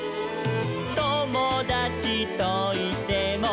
「ともだちといても」